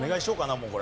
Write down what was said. もうこれ。